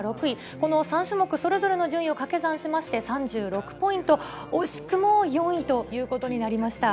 この３種目それぞれの順位をかけ算しまして、３６ポイント惜しくも４位ということになりました。